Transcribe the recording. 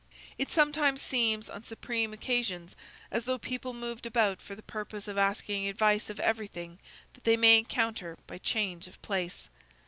It sometimes seems, on supreme occasions, as though people moved about for the purpose of asking advice of everything that they may encounter by change of place.